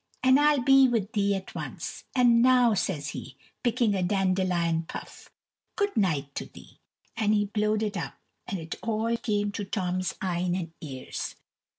and I'll be wi' thee at once; and now," says he, picking a dandelion puff, "good night to thee," and he blowed it up, and it all came into Tom's eyne and ears.